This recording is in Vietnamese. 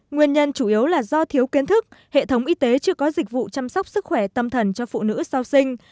nguyên nhân chủ yếu là do thiếu kiến thức hệ thống y tế chưa có dịch vụ chăm sóc sức khỏe tâm thần cho phụ nữ sau sinh